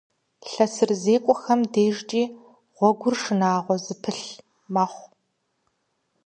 ЛъэсырызекӀуэхэм дежкӀи гъуэгур шынагъуэ зыпылъ мэхъу.